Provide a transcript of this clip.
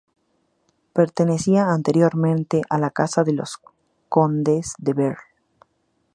Pertenecía anteriormente a la casa de los condes de Berg.